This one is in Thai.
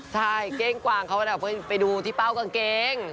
ใช่เก้งกวางเขาไปดูที่เป้ากางเกง